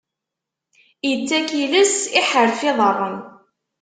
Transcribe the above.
Ittak iles, iḥerref iḍaṛṛen.